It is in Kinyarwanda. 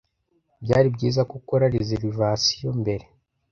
Byari byiza ko ukora reservation mbere.